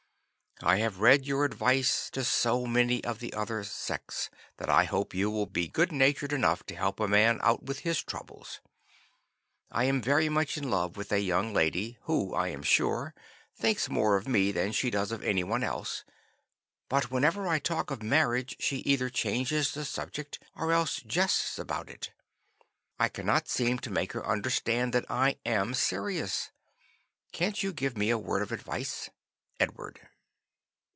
"I have read your advice to so many of the other sex that I hope you will be good natured enough to help a man out with his troubles. I am very much in love with a young lady who, I am sure, thinks more of me than she does of any one else, but whenever I talk of marriage she either changes the subject or else jests about it. I cannot seem to make her understand that I am serious. Can't you give me a word of advice? "Edward."